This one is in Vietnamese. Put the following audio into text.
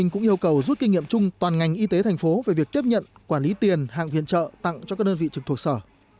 các bệnh viện trợ tặng cho các đơn vị trực thuộc sở